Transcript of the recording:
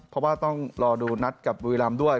เพราะว่าต้องรอดูนัดกับบุรีรำด้วย